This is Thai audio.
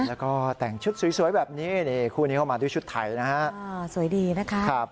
แล้วก็แต่งชุดสวยแบบนี้นี่คู่นี้เข้ามาด้วยชุดไทยนะฮะสวยดีนะคะ